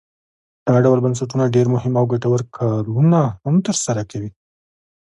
دا ډول بنسټونه ډیر مهم او ګټور کارونه هم تر سره کوي.